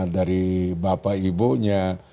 dari bapak ibunya